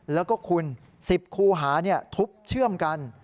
แล้วก็คุณ๑๐คูหาทุบเชื่อมกัน